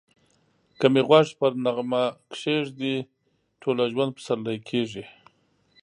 که می غوږ پر نغمه کښېږدې ټوله ژوند پسرلی کېږی